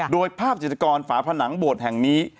โดยภาพจิตกรฝาผนังโบสถ์แห่งนี้